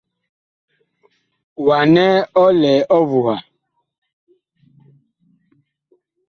Wa nɛ ɔ lɛ ɔvuha.